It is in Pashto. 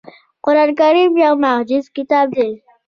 قرآن کریم یو معجز کتاب دی .